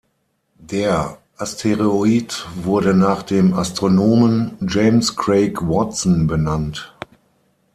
Der Asteroid wurde nach dem Astronomen James Craig Watson benannt.